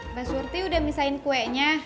mbak surti udah misahin kuenya